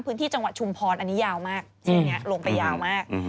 พื้นที่จังหวัดชุมพรอันนี้ยาวมากเส้นนี้ลงไปยาวมาก